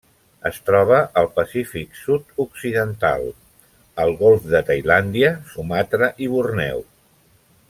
Es troba al Pacífic sud-occidental: el Golf de Tailàndia, Sumatra i Borneo.